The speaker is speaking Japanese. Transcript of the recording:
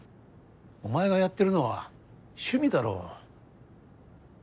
お前がやってるのは趣味だろう。